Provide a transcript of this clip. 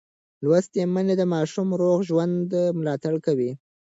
لوستې میندې د ماشوم روغ ژوند ملاتړ کوي.